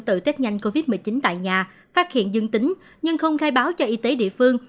tự test nhanh covid một mươi chín tại nhà phát hiện dương tính nhưng không khai báo cho y tế địa phương